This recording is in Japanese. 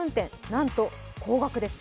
なんと高額です。